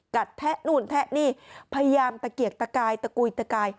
แทะนู่นแทะนี่พยายามตะเกียกตะกายตะกุยตะกาย